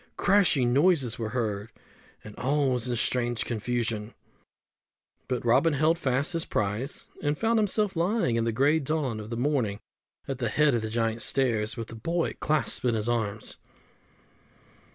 Crashing noises were heard, and all was in strange confusion; but Robin held fast his prize, and found himself lying in the grey dawn of the morning at the head of the Giant's Stairs with the boy clasped in his arms.